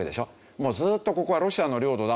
もうずーっとここはロシアの領土だ。